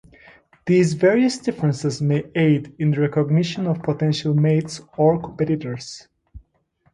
These various differences may aid in the recognition of potential mates or competitors.